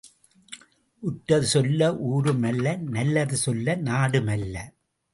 உற்றது சொல்ல ஊரும் அல்ல நல்லது சொல்ல நாடும் அல்ல.